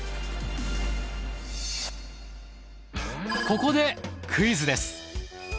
ここでクイズです。